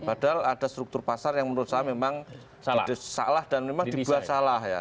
padahal ada struktur pasar yang menurut saya memang salah dan memang dibuat salah ya